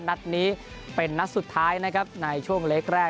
นัดนี้เป็นนัดสุดท้ายนะครับในช่วงเล็กแรก